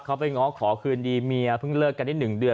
เขาไปง้อขอคืนดีเมียเพิ่งเลิกกันได้๑เดือน